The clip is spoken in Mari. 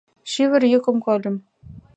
Шӱвыр йӱкым кольым.